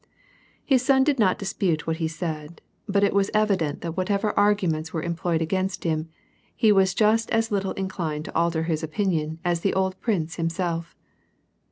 His son did not dispute what he said, but it was evident that whatever arguments were em ployed against him, he was just as little inclined to alter his opinion as the old prince himself.